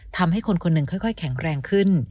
ทำให้คนคนหนึ่งค่อยแข็งแรงขึ้น